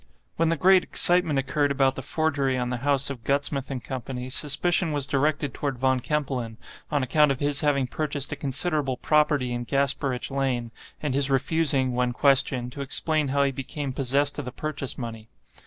When the great excitement occurred about the forgery on the house of Gutsmuth & Co., suspicion was directed toward Von Kempelen, on account of his having purchased a considerable property in Gasperitch Lane, and his refusing, when questioned, to explain how he became possessed of the purchase money.